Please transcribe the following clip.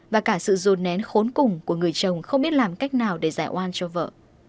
và cả sự rồn nén khốn cùng của người chồng không biết làm cách nào để giải oan cho vợ